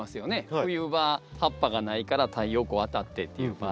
冬場葉っぱがないから太陽光当たってっていう場合。